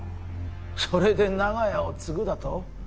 それで長屋を継ぐだと？